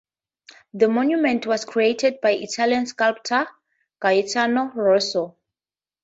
The monument was created by Italian sculptor Gaetano Russo.